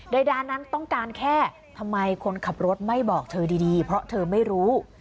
โดยดานั้นต้องการแค่ทำไมคนขับรถไม่บอกเธอดีเพราะเธอไม่รู้